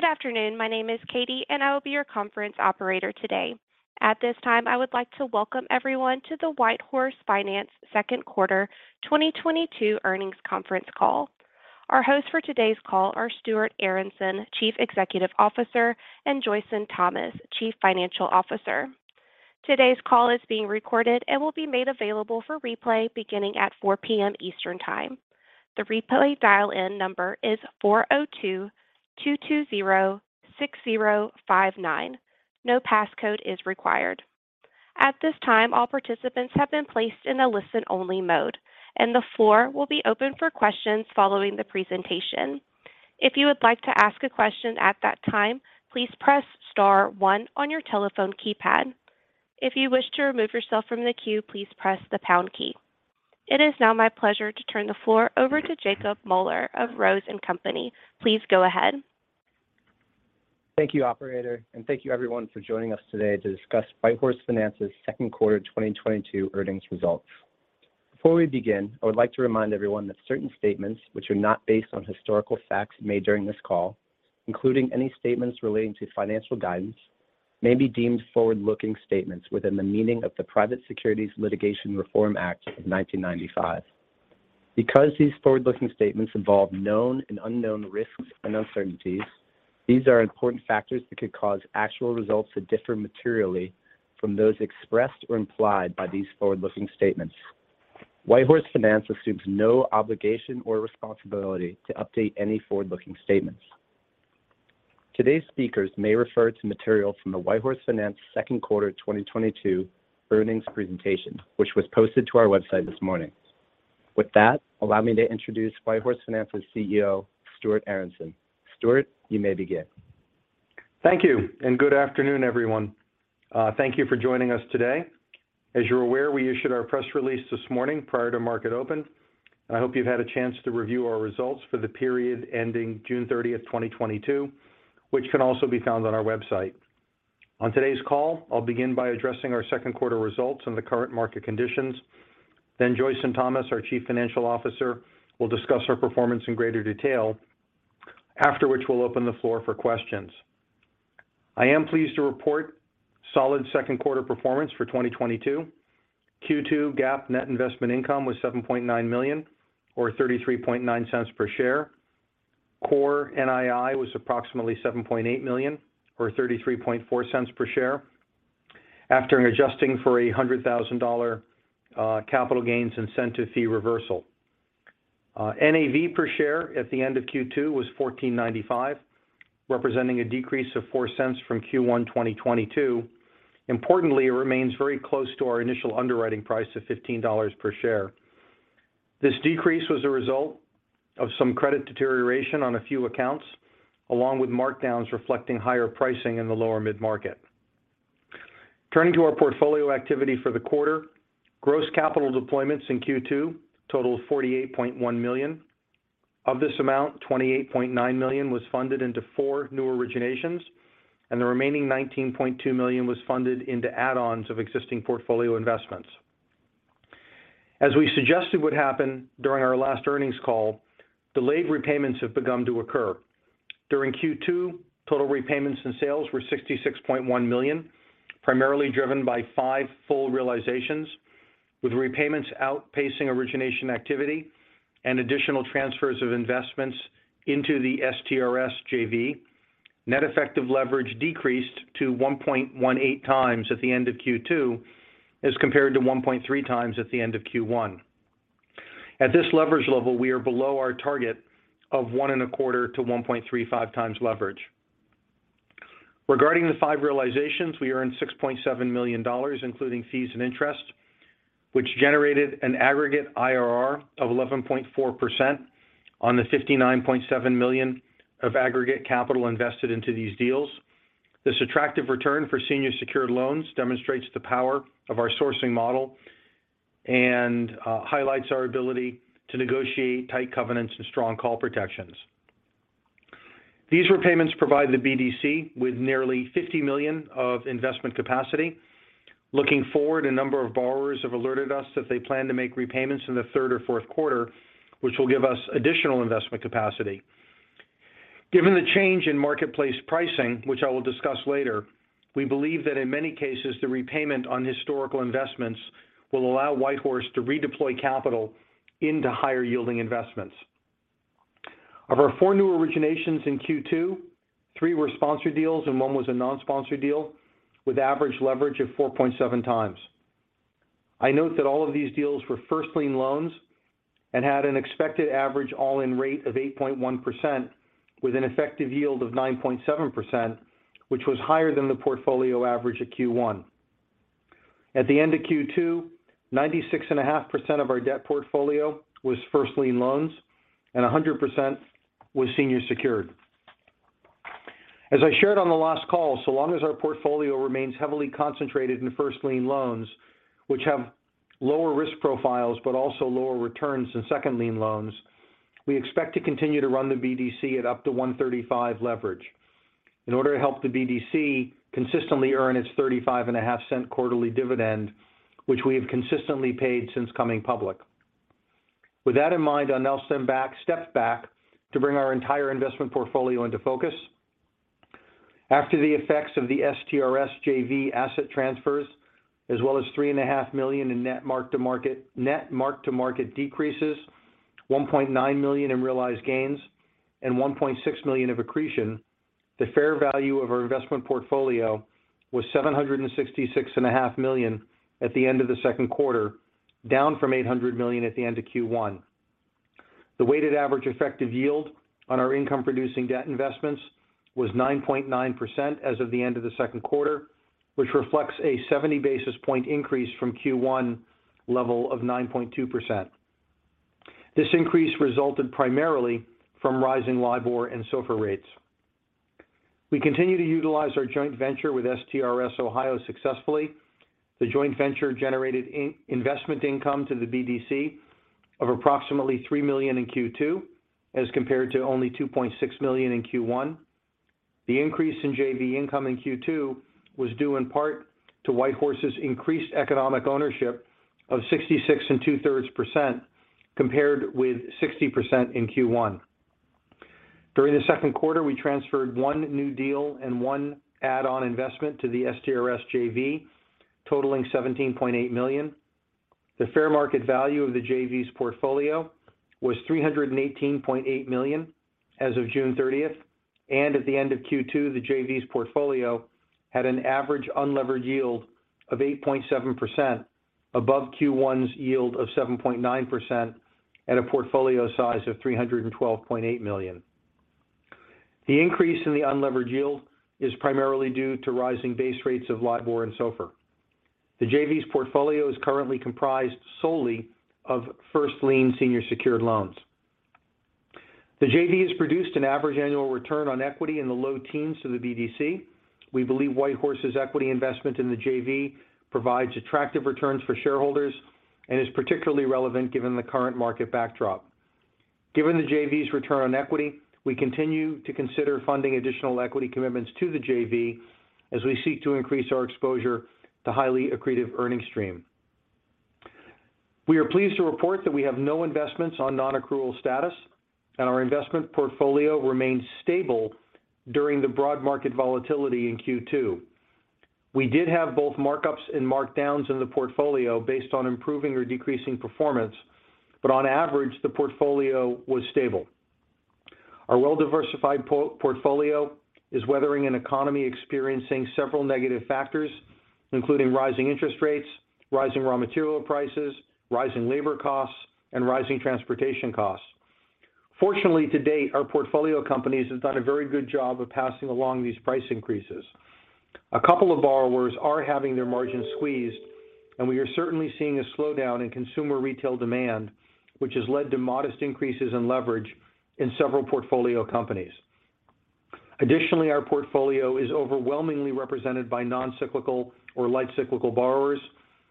Good afternoon. My name is Katie, and I will be your conference operator today. At this time, I would like to welcome everyone to the WhiteHorse Finance second quarter 2022 earnings conference call. Our hosts for today's call are Stuart Aronson, Chief Executive Officer, and Joyson Thomas, Chief Financial Officer. Today's call is being recorded and will be made available for replay beginning at 4:00 P.M. Eastern Time. The replay dial-in number is 402-220-6059. No passcode is required. At this time, all participants have been placed in a listen-only mode, and the floor will be open for questions following the presentation. If you would like to ask a question at that time, please press star one on your telephone keypad. If you wish to remove yourself from the queue, please press the pound key. It is now my pleasure to turn the floor over to Jacob Moeller of Rose & Company. Please go ahead. Thank you, operator, and thank you everyone for joining us today to discuss WhiteHorse Finance's second quarter 2022 earnings results. Before we begin, I would like to remind everyone that certain statements which are not based on historical facts made during this call, including any statements relating to financial guidance, may be deemed forward-looking statements within the meaning of the Private Securities Litigation Reform Act of 1995. Because these forward-looking statements involve known and unknown risks and uncertainties, these are important factors that could cause actual results to differ materially from those expressed or implied by these forward-looking statements. WhiteHorse Finance assumes no obligation or responsibility to update any forward-looking statements. Today's speakers may refer to material from the WhiteHorse Finance second quarter 2022 earnings presentation, which was posted to our website this morning. With that, allow me to introduce WhiteHorse Finance's CEO, Stuart Aronson. Stuart, you may begin. Thank you, and good afternoon, everyone. Thank you for joining us today. As you're aware, we issued our press release this morning prior to market open. I hope you've had a chance to review our results for the period ending June 30th, 2022, which can also be found on our website. On today's call, I'll begin by addressing our second quarter results and the current market conditions. Then Joyson Thomas, our Chief Financial Officer, will discuss our performance in greater detail. After which, we'll open the floor for questions. I am pleased to report solid second quarter performance for 2022. Q2 GAAP net investment income was $7.9 million or $0.339 per share. Core NII was approximately $7.8 million or $0.334 per share. After adjusting for $100,000 capital gains incentive fee reversal. NAV per share at the end of Q2 was $14.95, representing a decrease of $0.04 from Q1 2022. Importantly, it remains very close to our initial underwriting price of $15 per share. This decrease was a result of some credit deterioration on a few accounts, along with markdowns reflecting higher pricing in the lower mid-market. Turning to our portfolio activity for the quarter. Gross capital deployments in Q2 totaled $48.1 million. Of this amount, $28.9 million was funded into four new originations, and the remaining $19.2 million was funded into add-ons of existing portfolio investments. As we suggested would happen during our last earnings call, delayed repayments have begun to occur. During Q2, total repayments and sales were $66.1 million, primarily driven by five full realizations. With repayments outpacing origination activity and additional transfers of investments into the STRS JV, net effective leverage decreased to 1.18x at the end of Q2 as compared to 1.3x at the end of Q1. At this leverage level, we are below our target of 1.25x-1.35x leverage. Regarding the five realizations, we earned $6.7 million, including fees and interest, which generated an aggregate IRR of 11.4% on the $59.7 million of aggregate capital invested into these deals. This attractive return for senior secured loans demonstrates the power of our sourcing model and highlights our ability to negotiate tight covenants and strong call protections. These repayments provide the BDC with nearly $50 million of investment capacity. Looking forward, a number of borrowers have alerted us that they plan to make repayments in the third or fourth quarter, which will give us additional investment capacity. Given the change in marketplace pricing, which I will discuss later, we believe that in many cases, the repayment on historical investments will allow WhiteHorse to redeploy capital into higher-yielding investments. Of our four new originations in Q2, three were sponsored deals and one was a non-sponsored deal with average leverage of 4.7x. I note that all of these deals were first lien loans and had an expected average all-in rate of 8.1% with an effective yield of 9.7%, which was higher than the portfolio average at Q1. At the end of Q2, 96.5% of our debt portfolio was first lien loans and 100% was senior secured. As I shared on the last call, so long as our portfolio remains heavily concentrated in first lien loans, which have lower risk profiles but also lower returns than second lien loans, we expect to continue to run the BDC at up to 1.35 leverage in order to help the BDC consistently earn its $0.355 quarterly dividend, which we have consistently paid since going public. With that in mind, I'll now step back to bring our entire investment portfolio into focus. After the effects of the STRS JV asset transfers, as well as $3.5 million in net mark-to-market, net mark-to-market decreases, $1.9 million in realized gains, and $1.6 million of accretion, the fair value of our investment portfolio was $766.5 million at the end of the second quarter, down from $800 million at the end of Q1. The weighted average effective yield on our income-producing debt investments was 9.9% as of the end of the second quarter, which reflects a 70 basis point increase from Q1 level of 9.2%. This increase resulted primarily from rising LIBOR and SOFR rates. We continue to utilize our joint venture with STRS Ohio successfully. The joint venture generated investment income to the BDC of approximately $3 million in Q2 as compared to only $2.6 million in Q1. The increase in JV income in Q2 was due in part to WhiteHorse's increased economic ownership of 66 2/3% compared with 60% in Q1. During the second quarter, we transferred one new deal and one add-on investment to the STRS JV, totaling $17.8 million. The fair market value of the JV's portfolio was $318.8 million as of June 30th, and at the end of Q2, the JV's portfolio had an average unlevered yield of 8.7% above Q1's yield of 7.9% at a portfolio size of $312.8 million. The increase in the unlevered yield is primarily due to rising base rates of LIBOR and SOFR. The JV's portfolio is currently comprised solely of first lien senior secured loans. The JV has produced an average annual return on equity in the low teens to the BDC. We believe WhiteHorse's equity investment in the JV provides attractive returns for shareholders and is particularly relevant given the current market backdrop. Given the JV's return on equity, we continue to consider funding additional equity commitments to the JV as we seek to increase our exposure to highly accretive earning stream. We are pleased to report that we have no investments on non-accrual status, and our investment portfolio remains stable during the broad market volatility in Q2. We did have both markups and markdowns in the portfolio based on improving or decreasing performance, but on average, the portfolio was stable. Our well-diversified portfolio is weathering an economy experiencing several negative factors, including rising interest rates, rising raw material prices, rising labor costs, and rising transportation costs. Fortunately, to date, our portfolio companies have done a very good job of passing along these price increases. A couple of borrowers are having their margins squeezed, and we are certainly seeing a slowdown in consumer retail demand, which has led to modest increases in leverage in several portfolio companies. Additionally, our portfolio is overwhelmingly represented by non-cyclical or light cyclical borrowers,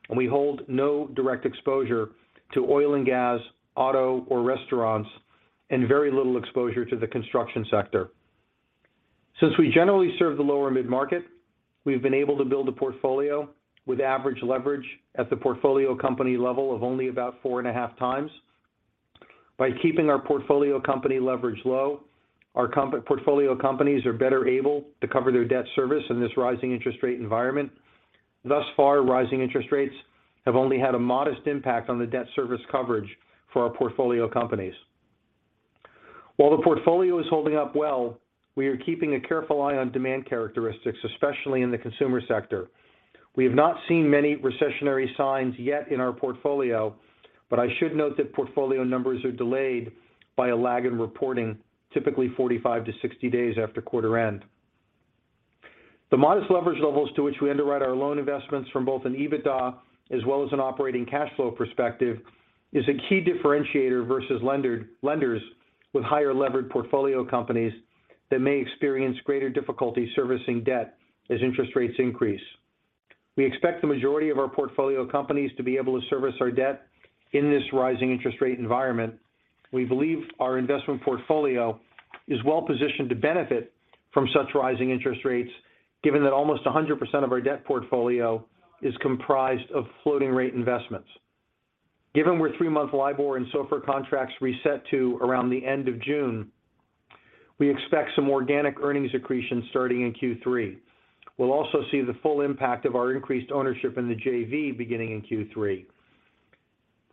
and we hold no direct exposure to oil and gas, auto, or restaurants, and very little exposure to the construction sector. Since we generally serve the lower mid-market, we've been able to build a portfolio with average leverage at the portfolio company level of only about 4.5x. By keeping our portfolio company leverage low, our portfolio companies are better able to cover their debt service in this rising interest rate environment. Thus far, rising interest rates have only had a modest impact on the debt service coverage for our portfolio companies. While the portfolio is holding up well, we are keeping a careful eye on demand characteristics, especially in the consumer sector. We have not seen many recessionary signs yet in our portfolio, but I should note that portfolio numbers are delayed by a lag in reporting, typically 45-60 days after quarter end. The modest leverage levels to which we underwrite our loan investments from both an EBITDA as well as an operating cash flow perspective is a key differentiator versus lenders with higher levered portfolio companies that may experience greater difficulty servicing debt as interest rates increase. We expect the majority of our portfolio companies to be able to service our debt in this rising interest rate environment. We believe our investment portfolio is well-positioned to benefit from such rising interest rates, given that almost 100% of our debt portfolio is comprised of floating rate investments. Given where three-month LIBOR and SOFR contracts reset to around the end of June, we expect some organic earnings accretion starting in Q3. We'll also see the full impact of our increased ownership in the JV beginning in Q3.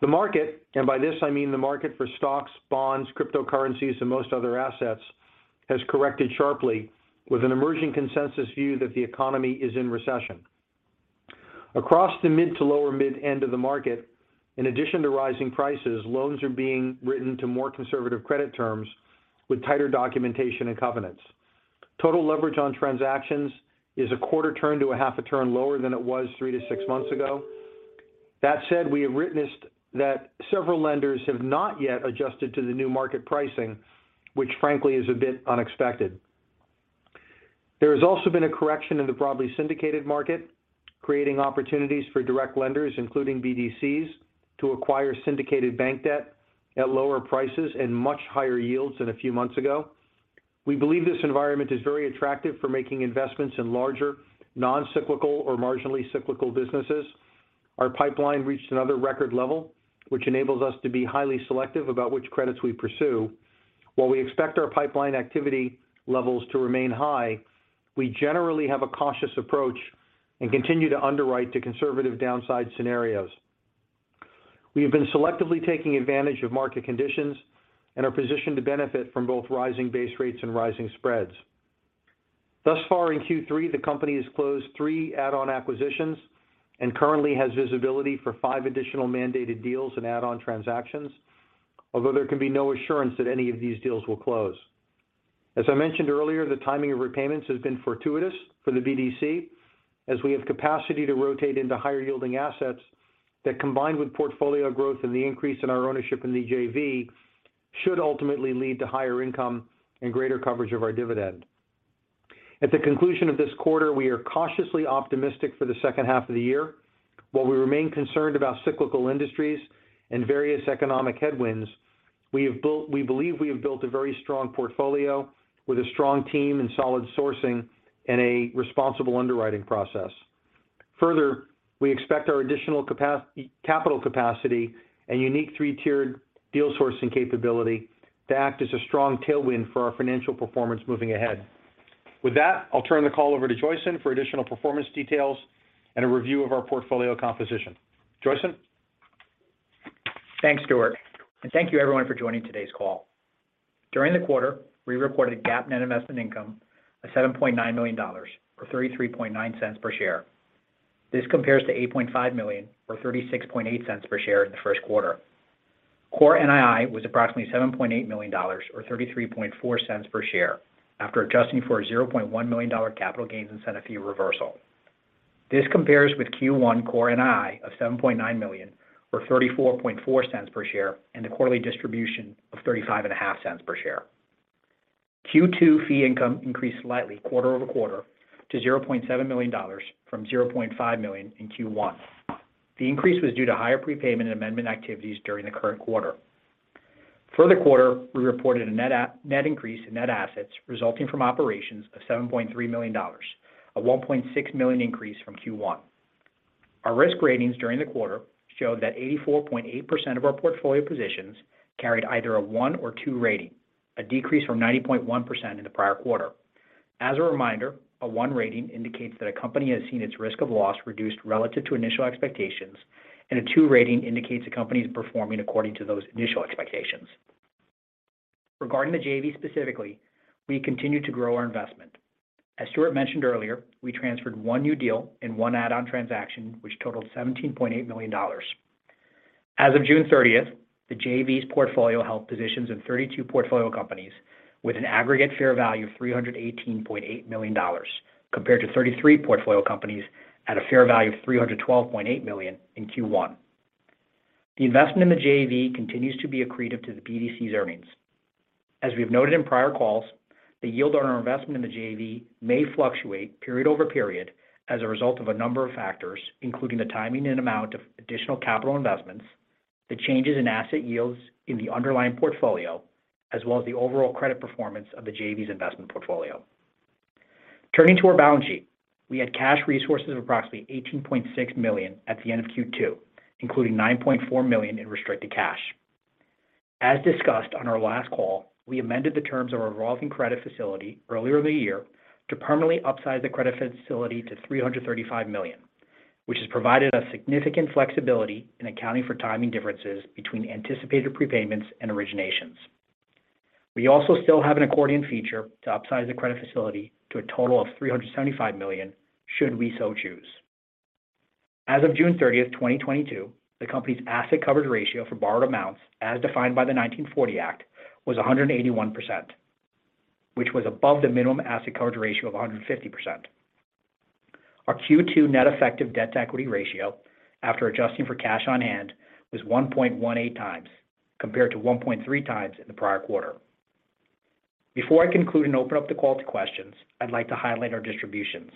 The market, and by this I mean the market for stocks, bonds, cryptocurrencies, and most other assets, has corrected sharply with an emerging consensus view that the economy is in recession. Across the middle to lower middle market, in addition to rising prices, loans are being written to more conservative credit terms with tighter documentation and covenants. Total leverage on transactions is a quarter turn to a half a turn lower than it was three to six months ago. That said, we have witnessed that several lenders have not yet adjusted to the new market pricing, which frankly is a bit unexpected. There has also been a correction in the broadly syndicated market, creating opportunities for direct lenders, including BDCs, to acquire syndicated bank debt at lower prices and much higher yields than a few months ago. We believe this environment is very attractive for making investments in larger non-cyclical or marginally cyclical businesses. Our pipeline reached another record level, which enables us to be highly selective about which credits we pursue. While we expect our pipeline activity levels to remain high, we generally have a cautious approach and continue to underwrite to conservative downside scenarios. We have been selectively taking advantage of market conditions and are positioned to benefit from both rising base rates and rising spreads. Thus far in Q3, the company has closed three add-on acquisitions and currently has visibility for five additional mandated deals and add-on transactions. Although there can be no assurance that any of these deals will close. As I mentioned earlier, the timing of repayments has been fortuitous for the BDC as we have capacity to rotate into higher yielding assets that, combined with portfolio growth and the increase in our ownership in the JV, should ultimately lead to higher income and greater coverage of our dividend. At the conclusion of this quarter, we are cautiously optimistic for the second half of the year. While we remain concerned about cyclical industries and various economic headwinds, we believe we have built a very strong portfolio with a strong team and solid sourcing and a responsible underwriting process. Further, we expect our additional capital capacity and unique three-tiered deal sourcing capability to act as a strong tailwind for our financial performance moving ahead. With that, I'll turn the call over to Joyson for additional performance details and a review of our portfolio composition. Joyson? Thanks, Stuart, and thank you everyone for joining today's call. During the quarter, we reported GAAP net investment income of $7.9 million, or $0.339 per share. This compares to $8.5 million or $0.368 per share in the first quarter. Core NII was approximately $7.8 million or $0.334 per share after adjusting for a $0.1 million capital gains incentive fee reversal. This compares with Q1 core NII of $7.9 million or $0.344 per share, and a quarterly distribution of $0.355 per share. Q2 fee income increased slightly quarter-over-quarter to $0.7 million from $0.5 million in Q1. The increase was due to higher prepayment and amendment activities during the current quarter. For the quarter, we reported a net increase in net assets resulting from operations of $7.3 million, a $1.6 million increase from Q1. Our risk ratings during the quarter showed that 84.8% of our portfolio positions carried either a one or two rating, a decrease from 90.1% in the prior quarter. As a reminder, a one rating indicates that a company has seen its risk of loss reduced relative to initial expectations, and a two rating indicates a company is performing according to those initial expectations. Regarding the JV specifically, we continued to grow our investment. As Stuart mentioned earlier, we transferred one new deal and one add-on transaction, which totaled $17.8 million. As of June 30th, the JV's portfolio held positions in 32 portfolio companies with an aggregate fair value of $318.8 million, compared to 33 portfolio companies at a fair value of $312.8 million in Q1. The investment in the JV continues to be accretive to the BDC's earnings. As we have noted in prior calls, the yield on our investment in the JV may fluctuate period over period as a result of a number of factors, including the timing and amount of additional capital investments, the changes in asset yields in the underlying portfolio, as well as the overall credit performance of the JV's investment portfolio. Turning to our balance sheet, we had cash resources of approximately $18.6 million at the end of Q2, including $9.4 million in restricted cash. As discussed on our last call, we amended the terms of our revolving credit facility earlier in the year to permanently upsize the credit facility to $335 million, which has provided us significant flexibility in accounting for timing differences between anticipated prepayments and originations. We also still have an accordion feature to upsize the credit facility to a total of $375 million should we so choose. As of June 30th, 2022, the company's asset coverage ratio for borrowed amounts as defined by the 1940 Act, was 181%, which was above the minimum asset coverage ratio of 150%. Our Q2 net effective debt to equity ratio after adjusting for cash on hand was 1.18x compared to 1.3x in the prior quarter. Before I conclude and open up the call to questions, I'd like to highlight our distributions.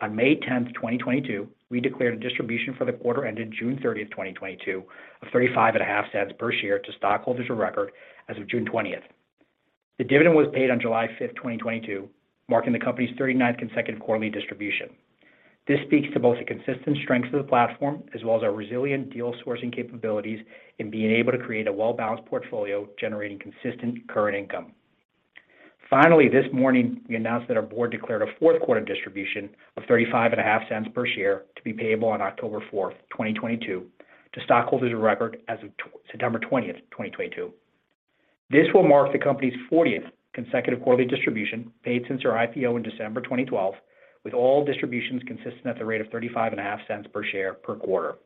On May 10th, 2022, we declared a distribution for the quarter ended June 30th, 2022 of $0.355 per share to stockholders of record as of June 20th. The dividend was paid on July 5th, 2022, marking the company's 39th consecutive quarterly distribution. This speaks to both the consistent strength of the platform as well as our resilient deal sourcing capabilities in being able to create a well-balanced portfolio generating consistent current income. Finally, this morning we announced that our board declared a fourth quarter distribution of $0.355 per share to be payable on October 4th, 2022 to stockholders of record as of September 20th, 2022. This will mark the company's 40th consecutive quarterly distribution paid since our IPO in December 2012, with all distributions consistent at the rate of $0.355 per share per quarter.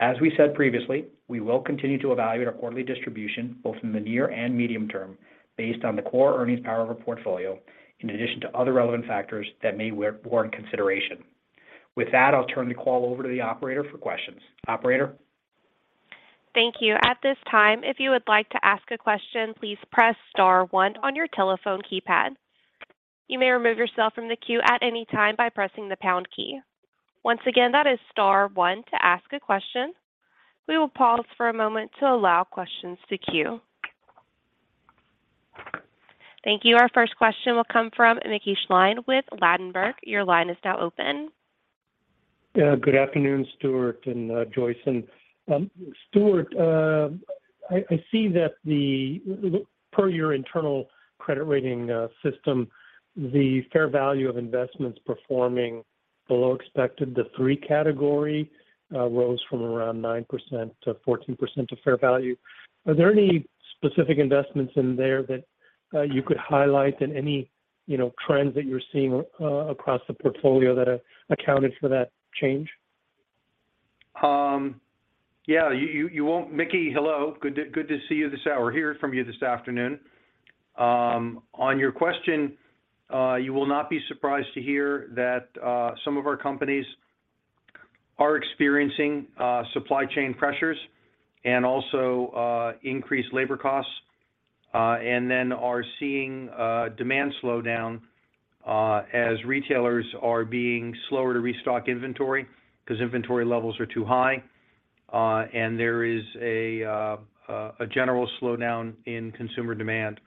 As we said previously, we will continue to evaluate our quarterly distribution, both in the near and medium term, based on the core earnings power of our portfolio, in addition to other relevant factors that may warrant consideration. With that, I'll turn the call over to the operator for questions. Operator? Thank you. At this time, if you would like to ask a question, please press star one on your telephone keypad. You may remove yourself from the queue at any time by pressing the pound key. Once again, that is star one to ask a question. We will pause for a moment to allow questions to queue. Thank you. Our first question will come from Mickey Schleien with Ladenburg Thalmann. Your line is now open. Yeah. Good afternoon, Stuart and Joyson. Stuart, I see that per your internal credit rating system, the fair value of investments performing below expected. The three category rose from around 9%-14% of fair value. Are there any specific investments in there that you could highlight and any, you know, trends that you're seeing across the portfolio that accounted for that change? Yeah. Mickey, hello. Good to hear from you this afternoon. On your question, you will not be surprised to hear that some of our companies are experiencing supply chain pressures and also increased labor costs and then are seeing demand slow down as retailers are being slower to restock inventory because inventory levels are too high. There is a general slowdown in consumer demand.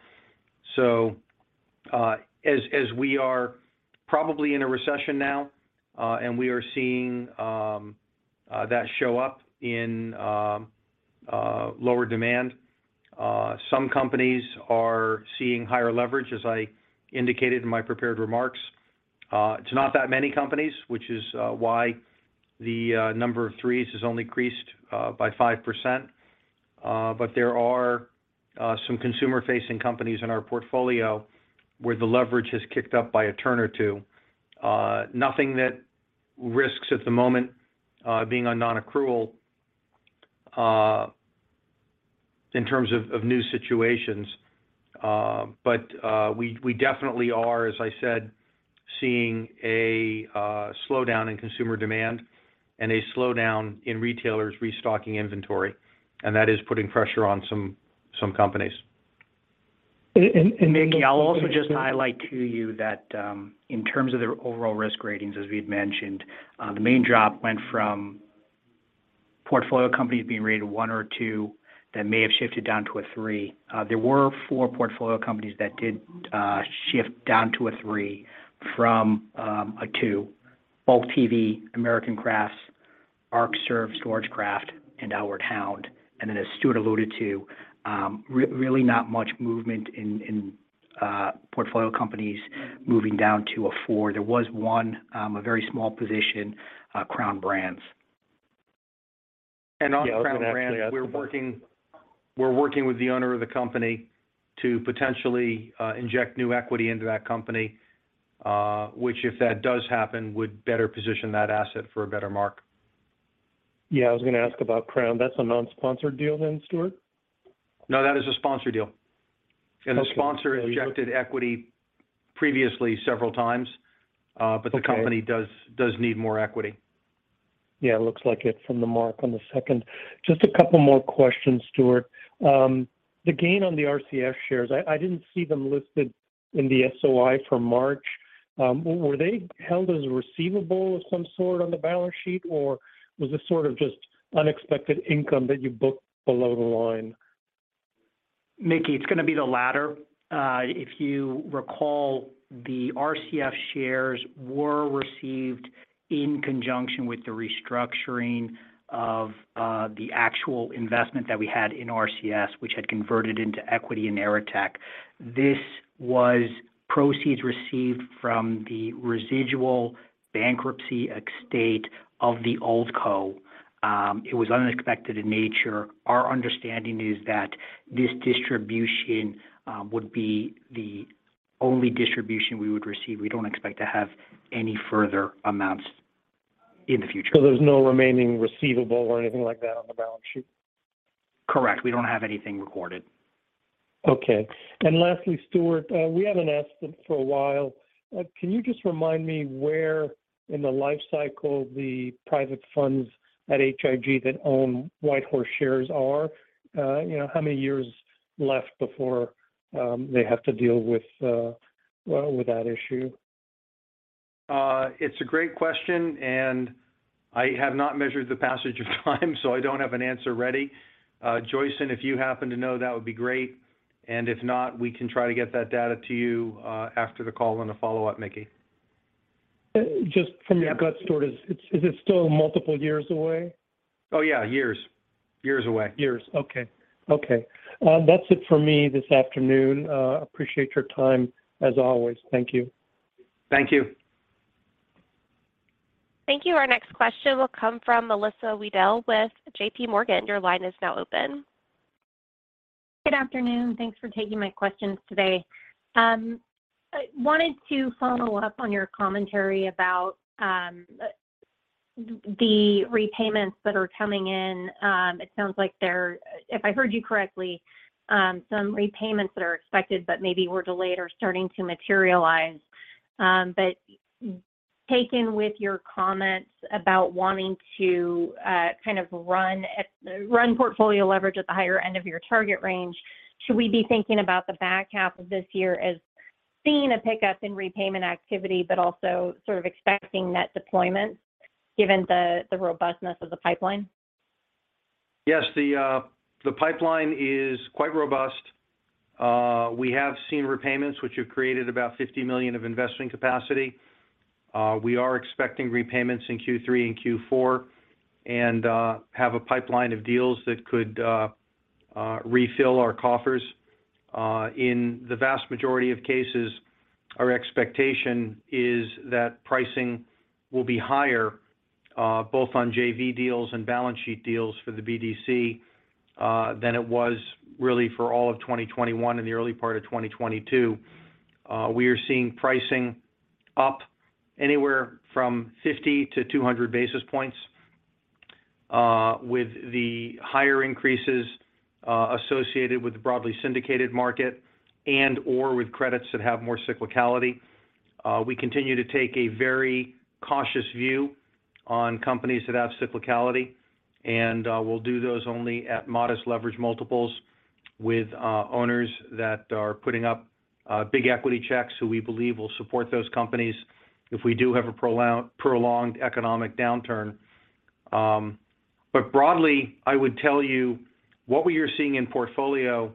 As we are probably in a recession now and we are seeing that show up in lower demand, some companies are seeing higher leverage, as I indicated in my prepared remarks. It's not that many companies, which is why the number of threes has only increased by 5%. There are some consumer-facing companies in our portfolio where the leverage has kicked up by a turn or two. Nothing that risks at the moment being on non-accrual in terms of new situations. We definitely are, as I said, seeing a slowdown in consumer demand and a slowdown in retailers restocking inventory, and that is putting pressure on some companies. And, and- Mickey, I'll also just highlight to you that, in terms of their overall risk ratings, as we had mentioned, the main drop went from portfolio companies being rated one or two that may have shifted down to a three. There were four portfolio companies that did shift down to a three from a two. Bulk TV & Internet, American Crafts, Arcserve, StorageCraft, and Honors Holdings. As Stuart alluded to, really not much movement in portfolio companies moving down to a four. There was one, a very small position, Crown Brands Group. On Crown Brands- Yeah. I was gonna ask about. We're working with the owner of the company to potentially inject new equity into that company, which if that does happen, would better position that asset for a better mark. Yeah, I was gonna ask about Crown. That's a non-sponsored deal then, Stuart? No, that is a sponsored deal. Okay. The sponsor injected equity previously several times. Okay The company does need more equity. Yeah, it looks like it from the mark on the second. Just a couple more questions, Stuart. The gain on the RCS shares, I didn't see them listed in the SOI for March. Were they held as a receivable of some sort on the balance sheet, or was this sort of just unexpected income that you booked below the line? Mickey, it's gonna be the latter. If you recall, the RCS shares were received in conjunction with the restructuring of the actual investment that we had in RCS, which had converted into equity in AeroTech. This was proceeds received from the residual bankruptcy estate of the old co. It was unexpected in nature. Our understanding is that this distribution would be the only distribution we would receive. We don't expect to have any further amounts in the future. There's no remaining receivable or anything like that on the balance sheet? Correct. We don't have anything recorded. Okay. Lastly, Stuart, we haven't asked it for a while. Can you just remind me where in the life cycle the private funds at H.I.G. that own WhiteHorse shares are? You know, how many years left before they have to deal with, well, with that issue? It's a great question, and I have not measured the passage of time, so I don't have an answer ready. Joyson, if you happen to know, that would be great. If not, we can try to get that data to you, after the call on a follow-up, Mickey. Just from your gut, Stuart, is it still multiple years away? Oh, yeah. Years away. Years. Okay. That's it for me this afternoon. Appreciate your time as always. Thank you. Thank you. Thank you. Our next question will come from Melissa Wedel with JPMorgan. Your line is now open. Good afternoon. Thanks for taking my questions today. I wanted to follow up on your commentary about the repayments that are coming in. It sounds like they're, if I heard you correctly, some repayments that are expected but maybe were delayed or starting to materialize. Taken with your comments about wanting to kind of run portfolio leverage at the higher end of your target range, should we be thinking about the back half of this year as seeing a pickup in repayment activity but also sort of expecting net deployment given the robustness of the pipeline? Yes. The pipeline is quite robust. We have seen repayments which have created about $50 million of investment capacity. We are expecting repayments in Q3 and Q4 and have a pipeline of deals that could refill our coffers. In the vast majority of cases, our expectation is that pricing will be higher both on JV deals and balance sheet deals for the BDC than it was really for all of 2021 and the early part of 2022. We are seeing pricing up anywhere from 50-200 basis points with the higher increases associated with the broadly syndicated market and/or with credits that have more cyclicality. We continue to take a very cautious view on companies that have cyclicality, and we'll do those only at modest leverage multiples with owners that are putting up big equity checks who we believe will support those companies if we do have a prolonged economic downturn. Broadly, I would tell you what we are seeing in portfolio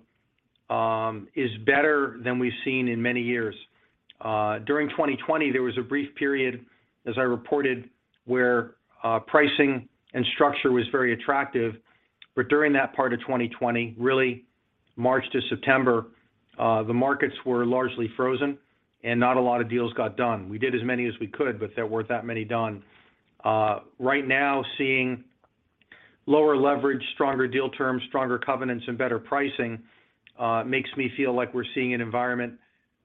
is better than we've seen in many years. During 2020, there was a brief period, as I reported, where pricing and structure was very attractive. During that part of 2020, really March to September, the markets were largely frozen, and not a lot of deals got done. We did as many as we could, but there weren't that many done. Right now, seeing lower leverage, stronger deal terms, stronger covenants, and better pricing makes me feel like we're seeing an environment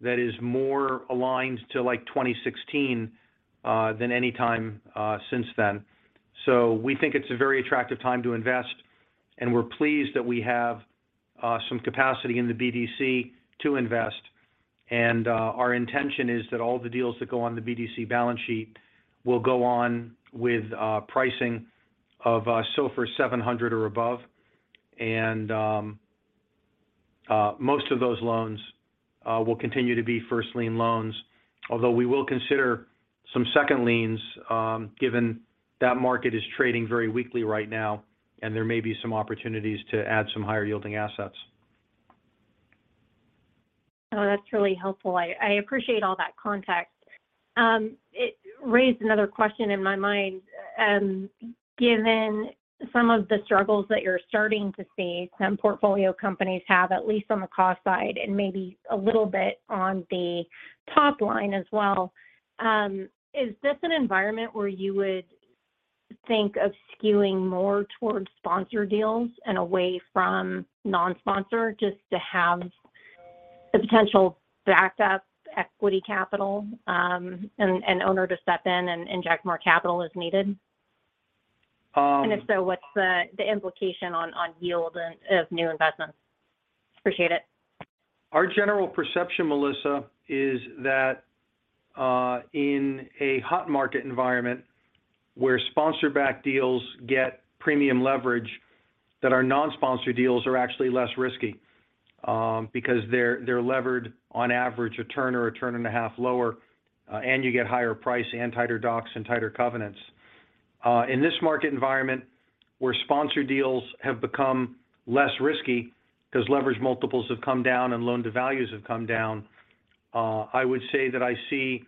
that is more aligned to, like, 2016 than any time since then. We think it's a very attractive time to invest, and we're pleased that we have some capacity in the BDC to invest. Our intention is that all the deals that go on the BDC balance sheet will go on with pricing of SOFR 700 or above. Most of those loans will continue to be first lien loans, although we will consider some second liens given that market is trading very weakly right now, and there may be some opportunities to add some higher yielding assets. No, that's really helpful. I appreciate all that context. It raised another question in my mind. Given some of the struggles that you're starting to see some portfolio companies have, at least on the cost side and maybe a little bit on the top line as well, is this an environment where you would think of skewing more towards sponsor deals and away from non-sponsor just to have the potential backup equity capital, and owner to step in and inject more capital as needed? Um- If so, what's the implication on yield and on new investments? Appreciate it. Our general perception, Melissa, is that in a hot market environment where sponsor-backed deals get premium leverage, that our non-sponsor deals are actually less risky, because they're levered on average a turn or a turn and a half lower, and you get higher price and tighter docs and tighter covenants. In this market environment where sponsor deals have become less risky because leverage multiples have come down and loan to values have come down, I would say that I see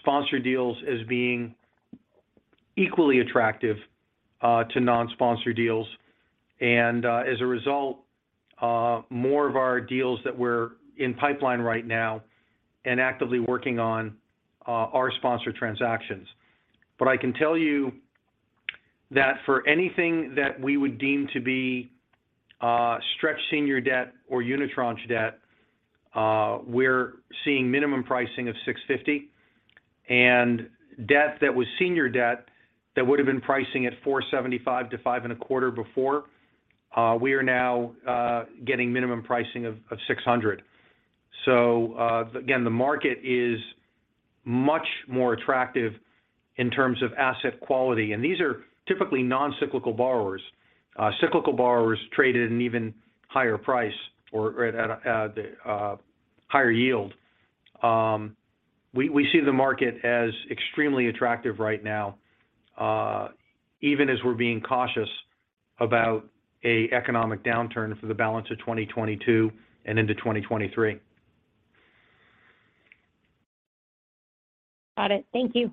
sponsor deals as being equally attractive to non-sponsor deals. As a result, more of our deals that we're in pipeline right now and actively working on are sponsor transactions. I can tell you that for anything that we would deem to be stretched senior debt or unitranche debt, we're seeing minimum pricing of 6.50%. Debt that was senior debt that would have been pricing at 475-525 before, we are now getting minimum pricing of 600. Again, the market is much more attractive in terms of asset quality, and these are typically non-cyclical borrowers. Cyclical borrowers trade at an even higher price or at a higher yield. We see the market as extremely attractive right now, even as we're being cautious about an economic downturn for the balance of 2022 and into 2023. Got it. Thank you.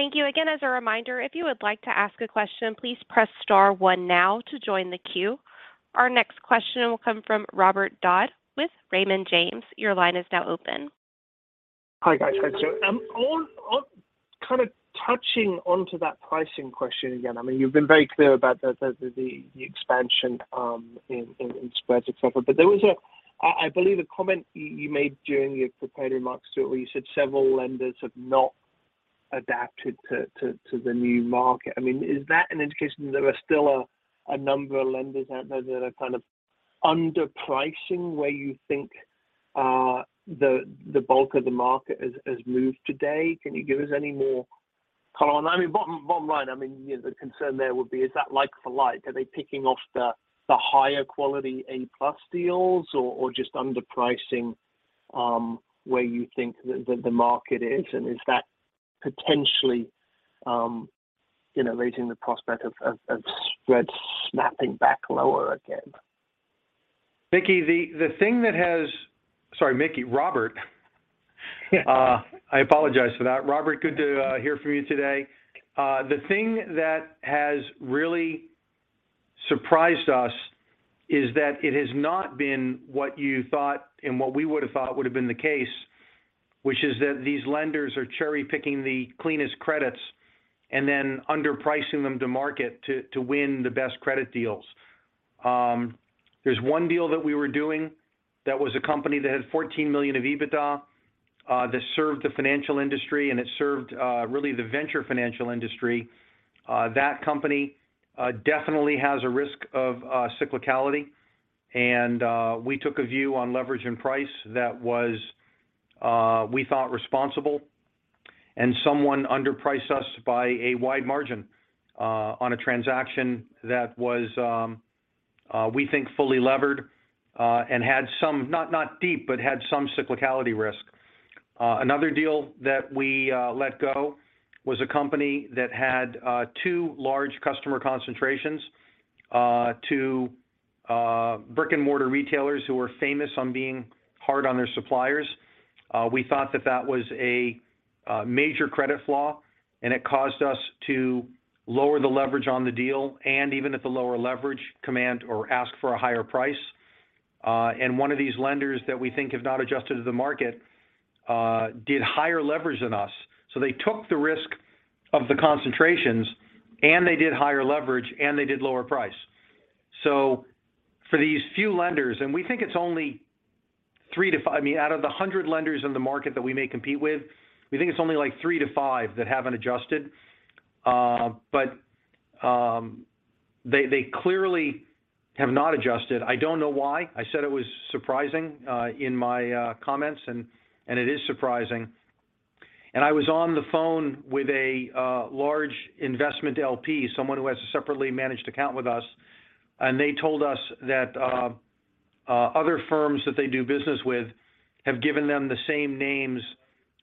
Thank you. Again, as a reminder, if you would like to ask a question, please press star one now to join the queue. Our next question will come from Robert Dodd with Raymond James. Your line is now open. Hi, guys. How are you doing? Kind of touching onto that pricing question again. I mean, you've been very clear about the expansion in spreads, et cetera. There was a, I believe a comment you made during your prepared remarks, Stuart, where you said several lenders have not adapted to the new market. I mean, is that an indication there are still a number of lenders out there that are kind of underpricing where you think the bulk of the market has moved today? Can you give us any more color on I mean, bottom line, I mean, you know, the concern there would be is that like for like, are they picking off the higher quality A-plus deals or just underpricing where you think the market is? Is that potentially, you know, raising the prospect of spreads snapping back lower again? Mickey. Sorry, Mickey. Robert. Yeah. I apologize for that. Robert, good to hear from you today. The thing that has really surprised us is that it has not been what you thought and what we would have thought would have been the case, which is that these lenders are cherry-picking the cleanest credits and then underpricing them to market to win the best credit deals. There's one deal that we were doing that was a company that had 14 million of EBITDA, that served the financial industry, and it served really the venture financial industry. That company definitely has a risk of cyclicality. We took a view on leverage and price that was, we thought responsible. Someone underpriced us by a wide margin on a transaction that was, we think, fully levered and had some, not deep, but had some cyclicality risk. Another deal that we let go was a company that had two large customer concentrations to brick-and-mortar retailers who were famous for being hard on their suppliers. We thought that was a major credit flaw, and it caused us to lower the leverage on the deal, and even at the lower leverage, demanded or asked for a higher price. One of these lenders that we think have not adjusted to the market did higher leverage than us. They took the risk of the concentrations, and they did higher leverage, and they did lower price. For these few lenders, and we think it's only three to five. I mean, out of the 100 lenders in the market that we may compete with, we think it's only like three to five that haven't adjusted. They clearly have not adjusted. I don't know why. I said it was surprising in my comments and it is surprising. I was on the phone with a large investment LP, someone who has a separately managed account with us, and they told us that other firms that they do business with have given them the same names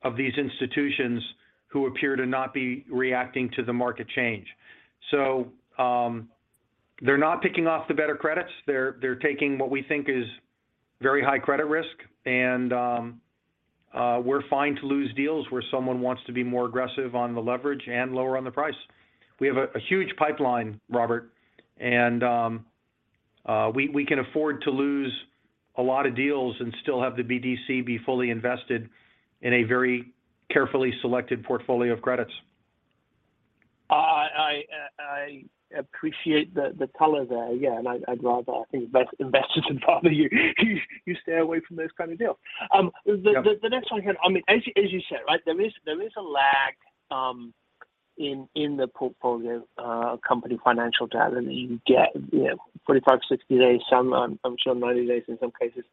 of these institutions who appear to not be reacting to the market change. They're not picking off the better credits. They're taking what we think is very high credit risk. We're fine to lose deals where someone wants to be more aggressive on the leverage and lower on the price. We have a huge pipeline, Robert, and we can afford to lose a lot of deals and still have the BDC be fully invested in a very carefully selected portfolio of credits. I appreciate the color there. Yeah, and I'd rather, I think, invest it in probably you stay away from those kind of deals. The next one I had, I mean, as you said, right, there is a lag in the portfolio company financial data. I mean, you get, you know, 45-60 days, some, I'm sure 90 days in some cases.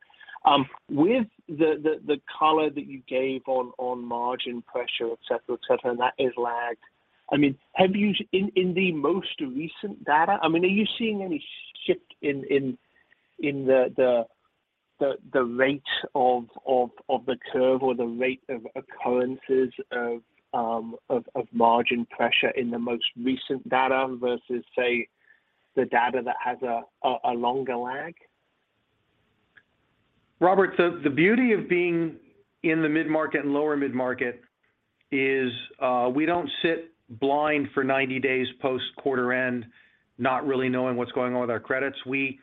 With the color that you gave on margin pressure, et cetera, and that is lagged. I mean, have you... In the most recent data, I mean, are you seeing any shift in the rate of the curve or the rate of occurrences of margin pressure in the most recent data versus, say, the data that has a longer lag? Robert, the beauty of being in the mid-market and lower mid-market is, we don't sit blind for 90 days post-quarter end, not really knowing what's going on with our credits. We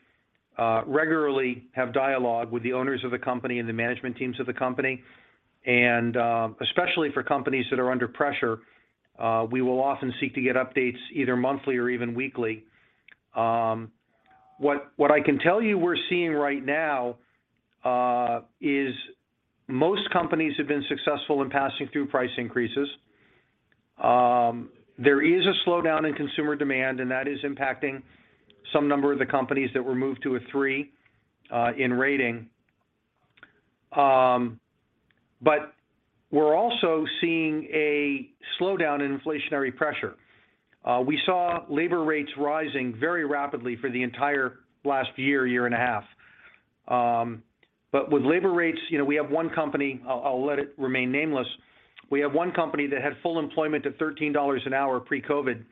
regularly have dialogue with the owners of the company and the management teams of the company. Especially for companies that are under pressure, we will often seek to get updates either monthly or even weekly. What I can tell you we're seeing right now is most companies have been successful in passing through price increases. There is a slowdown in consumer demand, and that is impacting some number of the companies that were moved to a three in rating. But we're also seeing a slowdown in inflationary pressure. We saw labor rates rising very rapidly for the entire last year and a half. With labor rates, you know, we have one company. I'll let it remain nameless. We have one company that had full employment at $13 an hour pre-COVID,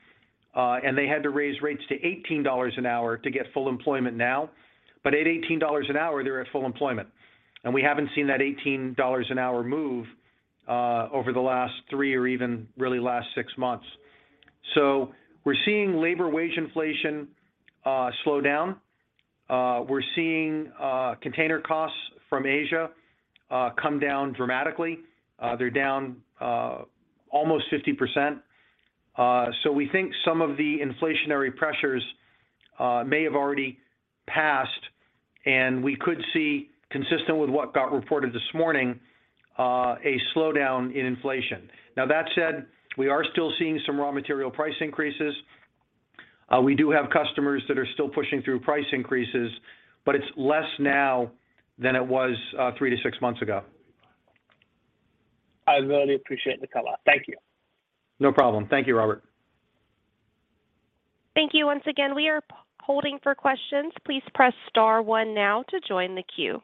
and they had to raise rates to $18 an hour to get full employment now. At $18 an hour, they're at full employment. We haven't seen that $18 an hour move over the last three or even really last six months. We're seeing labor wage inflation slow down. We're seeing container costs from Asia come down dramatically. They're down almost 50%. So we think some of the inflationary pressures may have already passed, and we could see, consistent with what got reported this morning, a slowdown in inflation. Now, that said, we are still seeing some raw material price increases. We do have customers that are still pushing through price increases, but it's less now than it was three to six months ago. I really appreciate the color. Thank you. No problem. Thank you, Robert. Thank you once again. We are holding for questions. Please press star one now to join the queue.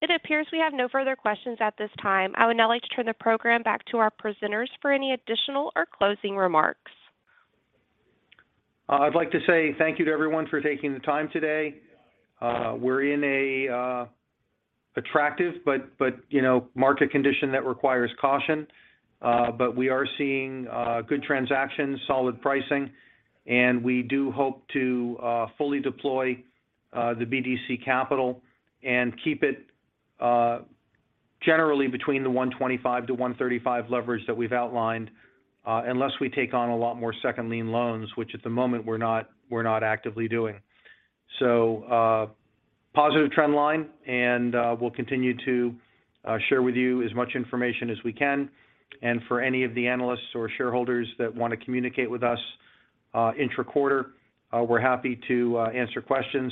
It appears we have no further questions at this time. I would now like to turn the program back to our presenters for any additional or closing remarks. I'd like to say thank you to everyone for taking the time today. We're in an attractive but, you know, market condition that requires caution. We are seeing good transactions, solid pricing, and we do hope to fully deploy the BDC capital and keep it generally between the 1.25-1.35 leverage that we've outlined unless we take on a lot more second lien loans, which at the moment we're not actively doing. Positive trend line, and we'll continue to share with you as much information as we can. For any of the analysts or shareholders that want to communicate with us intra-quarter, we're happy to answer questions.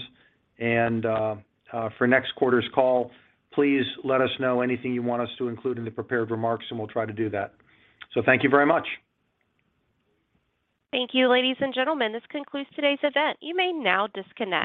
For next quarter's call, please let us know anything you want us to include in the prepared remarks, and we'll try to do that. Thank you very much. Thank you, ladies and gentlemen. This concludes today's event. You may now disconnect.